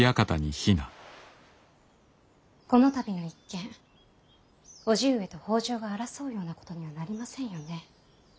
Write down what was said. この度の一件叔父上と北条が争うようなことにはなりませんよね。